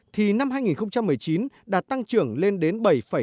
thì năm hai nghìn một mươi chín đã tăng trưởng lên đến bảy hai